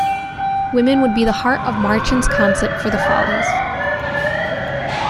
Women would be the heart of Marchand's concept for the Folies.